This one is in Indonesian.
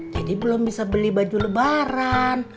jadi belum bisa beli baju lebaran